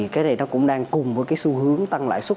cái này cũng đang cùng với xu hướng tăng lãi suất